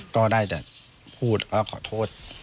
ก็ได้แต่พูดแล้วก็ขอโทษ